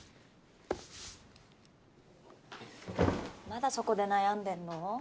まだそこで悩んでんの？